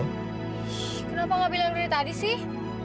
kenapa gak bilang dari tadi sih